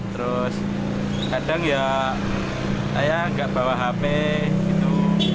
terus kadang ya saya nggak bawa hp gitu